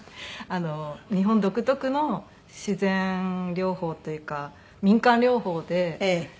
日本独特の自然療法というか民間療法で。